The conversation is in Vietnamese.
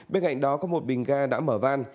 bên cạnh đó có một bình ga đã mở van